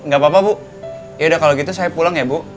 gapapa bu yaudah kalau gitu saya pulang ya bu